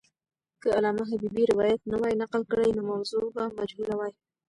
که علامه حبیبي روایت نه وای نقل کړی، نو موضوع به مجهوله وای.